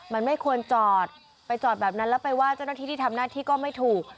มันไม่ควรจอดไปจอดแบบนั้นแล้วไปว่าเจ้าหน้าที่ที่ทำหน้าที่ก็ไม่ถูก